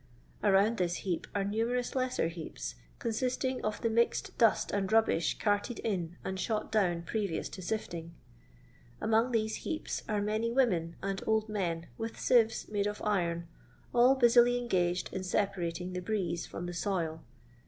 Around this heap are numerous lesser heaps, consisting of the mixed dust and rubbish carted in and shot down previous to sifting. Among these heaps are many women and old men with sieves made of iron, all busily engaged in separating the "brieze" from the " soil."